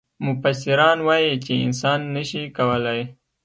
مفسران وايي چې انسان نه شي کولای.